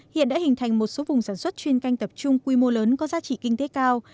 hiện đã hình thành một số vùng sản xuất chuyên canh tập trung quy mô lớn có giá trị kinh tế cao